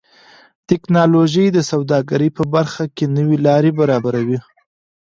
ټکنالوژي د سوداګرۍ په برخه کې نوې لارې برابروي.